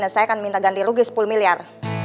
dan saya akan minta ganti rugi sepuluh miliar